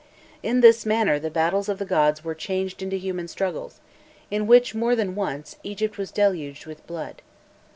In this manner the battles of the gods were changed into human struggles, in which, more than once, Egypt was deluged with blood.